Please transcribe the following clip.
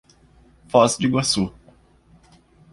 Foz do Iguaçu